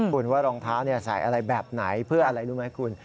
คุณว่ารองเท้าใส่อะไรแบบไหนเพื่ออะไรรู้ไหมคุณ